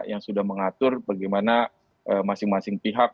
yang sudah mengatur bagaimana masing masing pihak